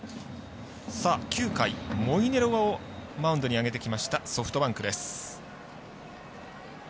９回、モイネロをマウンドに上げてきましたソフトバンクです。